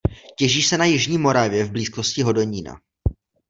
Těží se na jižní Moravě v blízkosti Hodonína.